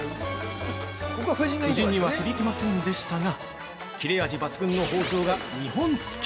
◆夫人には響きませんでしたが切れ味抜群の包丁が２本付き！